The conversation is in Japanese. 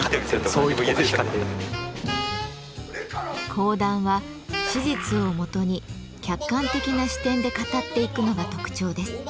講談は史実を基に客観的な視点で語っていくのが特徴です。